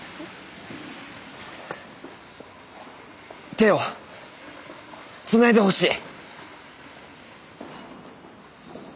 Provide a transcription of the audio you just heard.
手をつないでほしい！